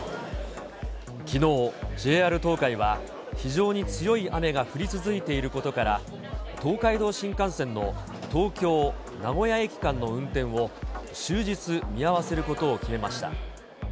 きのう、ＪＲ東海は非常に強い雨が降り続いていることから、東海道新幹線の東京・名古屋駅間の運転を終日見合わせることを決めました。